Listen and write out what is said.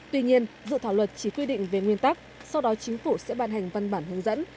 tuy nhiên dự thảo luật chỉ quy định về nguyên tắc sau đó chính phủ sẽ ban hành văn bản hướng dẫn